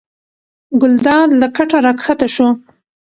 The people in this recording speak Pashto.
ګلداد له کټه راکښته شو.